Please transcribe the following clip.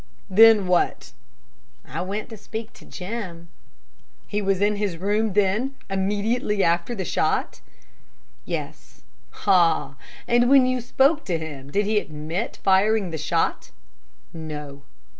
"Then what?" "I went to speak to Jim." "He was in his room, then, immediately after the shot?" "Yes." "Ah! And when you spoke to him, did he admit firing the shot?" "No."